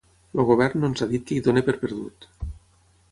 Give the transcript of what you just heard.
El govern no ens ha dit que hi doni per perdut.